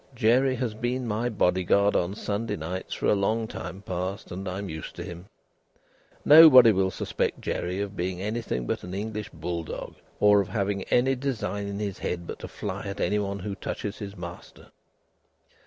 Jerry has been my bodyguard on Sunday nights for a long time past and I am used to him. Nobody will suspect Jerry of being anything but an English bull dog, or of having any design in his head but to fly at anybody who touches his master."